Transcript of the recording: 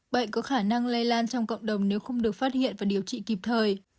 bệnh có khả năng lây lan trong cộng đồng nếu không được phát hiện và điều trị kịp thời